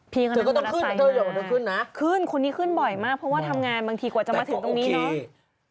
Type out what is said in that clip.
พี่กำลังมอเตอร์ไซค์นะขึ้นคนนี้ขึ้นบ่อยมากเพราะว่าทำงานบางทีกว่าจะมาถึงตรงนี้เนอะ